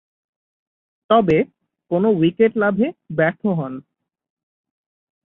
তবে, কোন উইকেট লাভে ব্যর্থ হন।